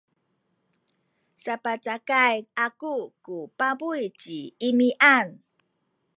sapacakay aku ku pabuy ci Imian.